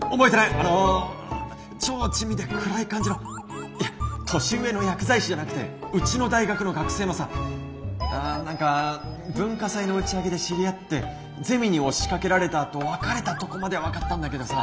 あの超地味で暗い感じのいや年上の薬剤師じゃなくてうちの大学の学生のさ何か文化祭の打ち上げで知り合ってゼミに押しかけられたあと別れたとこまでは分かったんだけどさ